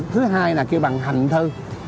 thứ hai là kêu bằng hành thư